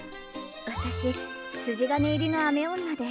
私筋金入りの雨女で。